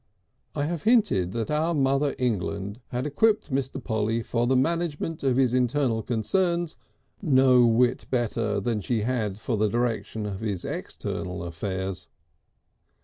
IV I have hinted that our Mother England had equipped Mr. Polly for the management of his internal concerns no whit better than she had for the direction of his external affairs.